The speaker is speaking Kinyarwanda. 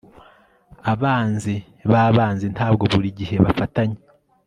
Abanzi babanzi ntabwo buri gihe bafatanya